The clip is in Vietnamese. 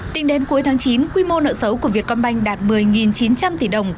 tính đến cuối tháng chín quy mô nợ xấu của vietcombank đạt một mươi chín trăm linh tỷ đồng